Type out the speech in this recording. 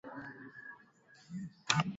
Ali anampenda khadija